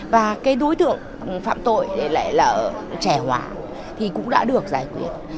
và cái đối tượng phạm tội là trẻ hỏa thì cũng đã được giải quyết